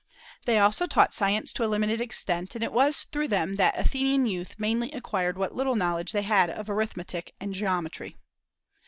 They also taught science to a limited extent, and it was through them that Athenian youth mainly acquired what little knowledge they had of arithmetic and geometry.